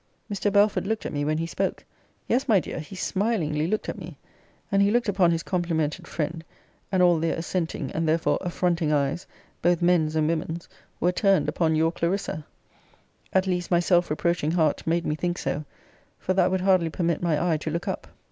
Mr. Belford looked at me when he spoke: yes, my dear, he smilingly looked at me; and he looked upon his complimented friend; and all their assenting, and therefore affronting eyes, both men's and women's, were turned upon your Clarissa; at least, my self reproaching heart made me think so; for that would hardly permit my eye to look up.